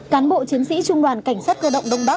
cán bộ chiến sĩ trung đoàn cảnh sát cơ động đông bắc